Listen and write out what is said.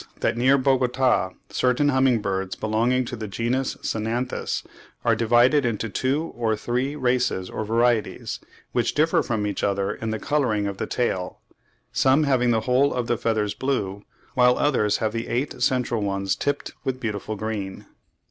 that near Bogota certain humming birds belonging to the genus Cynanthus are divided into two or three races or varieties, which differ from each other in the colouring of the tail—"some having the whole of the feathers blue, while others have the eight central ones tipped with beautiful green."